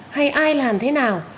hay ai làm thế nào